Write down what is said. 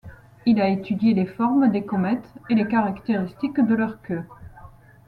Il a étudié les formes des comètes et les caractéristiques de leurs queues.